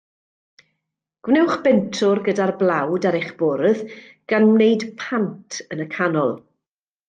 Gwnewch bentwr gyda'r blawd ar eich bwrdd, gan wneud pant yn y canol.